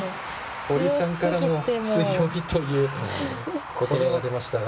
堀さんからも強いという言葉が出ましたが。